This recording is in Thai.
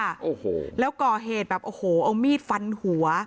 โอ้โหแล้วก่อเหตุแบบโอ้โหเอามีดฟันหัว